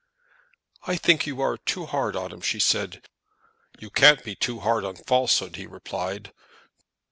"I think you are too hard on him," she said. "You can't be too hard on falsehood," he replied.